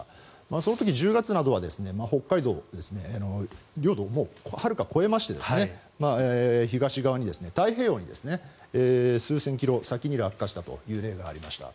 その時、１０月などは北海道領土をはるか越えまして東側に、太平洋に、数千キロ先に落下したという例がありました。